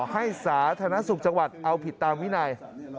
สาธารณสุขจังหวัดเอาผิดตามวินัย